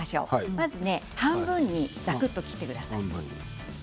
まず半分に、ざくっと切ってください。